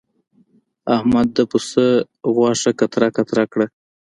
احمد د پسه غوښه قطره قطره کړه.